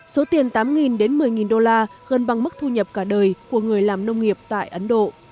số tiền tám đến một mươi đô la gần bằng mức thu nhập cả đời của người làm nông nghiệp tại ấn độ